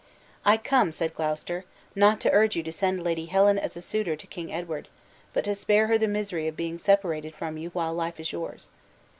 "I come," said Gloucester, "not to urge you to send Lady Helen as a suitor to King Edward, but to spare her the misery of being separated from you while life is yours."